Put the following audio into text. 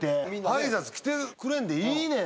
挨拶来てくれんでいいねん。